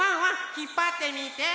ひっぱってみて！